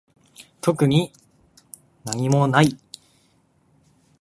特になにもない